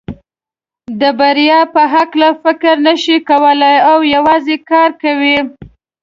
د بریا په هکله فکر نشي کولای او یوازې کار کوي.